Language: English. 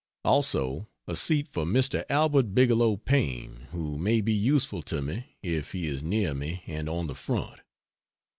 Also, a seat for Mr. Albert Bigelow Paine, who may be useful to me if he is near me and on the front.